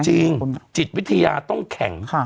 จิตวิทยาต้องแข็ง